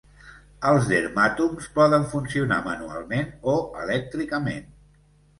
Els dermàtoms poden funcionar manualment o elèctricament.